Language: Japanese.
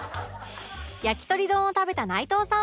やきとり丼を食べた内藤さんは